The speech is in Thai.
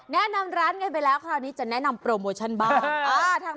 แนะนำร้านกันไปแล้วคราวนี้จะแนะนำโปรโมชั่นบ้าง